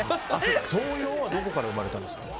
そうよはどこから生まれたんですか？